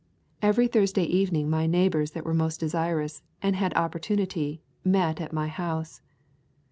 Every Thursday evening my neighbours that were most desirous, and had opportunity, met at my house.